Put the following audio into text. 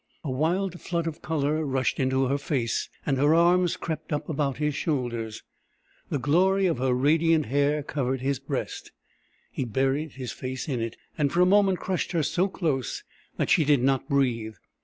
A wild flood of colour rushed into her face and her arms crept up about his shoulders. The glory of her radiant hair covered his breast. He buried his face in it, and for a moment crushed her so close that she did not breathe.